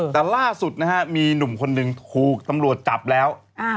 แต่ล่าสุดนะฮะมีหนุ่มคนหนึ่งถูกตำรวจจับแล้ว